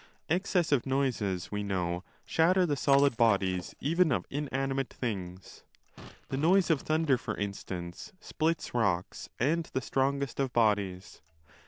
Excessive noises, we know, shatter the 35 Solid bodies even of inanimate things: the noise of thunder, 291° for instance, splits rocks and the strongest of bodies.